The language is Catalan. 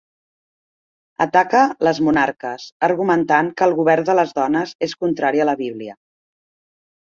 Ataca les monarques, argumentant que el govern de les dones és contrari a la Bíblia.